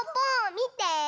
みて！